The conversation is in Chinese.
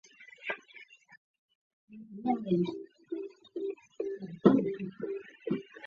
拱胸虫为圆管虫科拱胸虫属的动物。